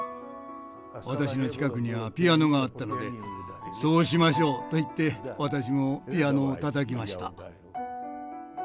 私の近くにはピアノがあったので「そうしましょう」と言って私もピアノを叩きました。